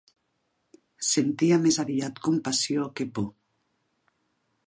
Sentia més aviat compassió que por.